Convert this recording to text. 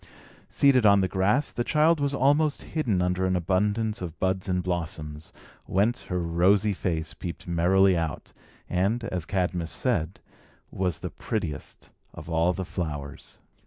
Seated on the grass, the child was almost hidden under an abundance of buds and blossoms, whence her rosy face peeped merrily out, and, as Cadmus said, was the prettiest of all the flowers.